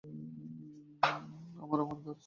আমার, আমার ঘাড়, স্যার।